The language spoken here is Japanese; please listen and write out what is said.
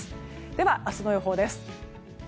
では、明日の予報です。